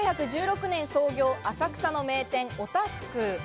１９１６年創業、浅草の名店、大多福。